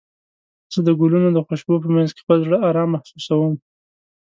زه د ګلونو د خوشبو په مینځ کې خپل زړه ارام محسوسوم.